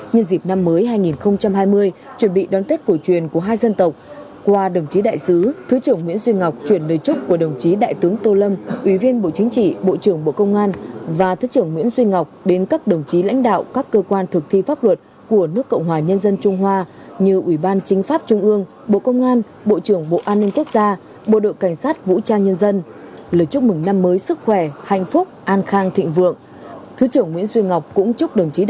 nhân dịp năm mới hai nghìn hai mươi chuẩn bị đón tết cổ truyền của hai dân tộc qua đồng chí đại sứ thứ trưởng nguyễn duy ngọc chuyển lời chúc của đồng chí đại tướng tô lâm ủy viên bộ chính trị bộ trưởng bộ công an và thứ trưởng nguyễn duy ngọc đến các đồng chí lãnh đạo các cơ quan thực thi pháp luật của nước cộng hòa nhân dân trung hoa như ủy ban chính pháp trung ương bộ công an bộ trưởng bộ an ninh quốc gia bộ đội cảnh sát vũ trang nhân dân lời chúc mừng năm mới sức khỏe hạnh phúc an khang thịnh